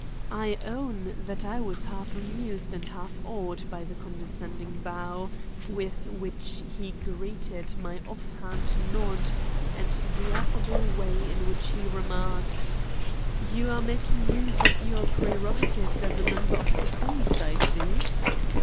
I own that I was half amused and half awed by the condescending bow with which he greeted my offhand nod and the affable way in which he remarked: "You are making use of your prerogatives as a member of the police, I see."